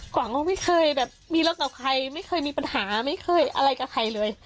หวังว่าไม่เคยแบบมีรถกับใครไม่เคยมีปัญหาไม่เคยอะไรกับใครเลย